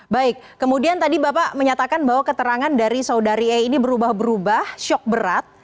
baik kemudian tadi bapak menyatakan bahwa keterangan dari saudari e ini berubah berubah shock berat